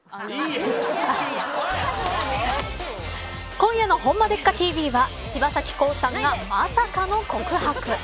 今夜のホンマでっかＴＶは柴崎コウさんがまさかの告白。